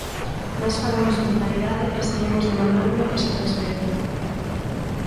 Nós falamos con claridade e seguimos demandando esa transferencia.